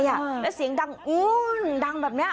แล้วเสียงดังอู้นดังแบบนี้